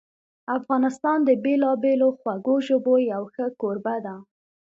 افغانستان د بېلابېلو خوږو ژبو یو ښه کوربه ده.